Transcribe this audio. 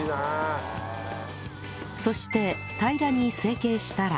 そして平らに成形したら